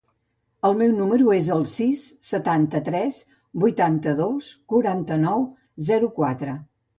El meu número es el sis, setanta-tres, vuitanta-dos, quaranta-nou, zero, quatre.